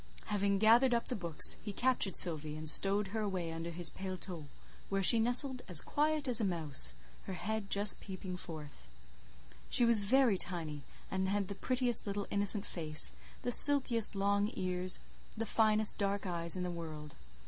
Having gathered up the books, he captured Sylvie, and stowed her away under his paletôt, where she nestled as quiet as a mouse, her head just peeping forth. She was very tiny, and had the prettiest little innocent face, the silkiest long ears, the finest dark eyes in the world.